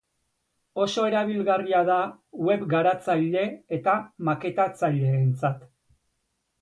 Oso erabilgarria da web garatzaile eta maketatzaileentzat.